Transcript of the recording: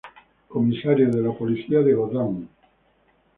Comisario de la policía de Gotham.